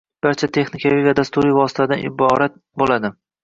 barcha texnikaviy va dasturiy vositalardan iborat bo‘ladi.